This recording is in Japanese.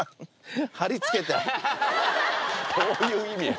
どういう意味よ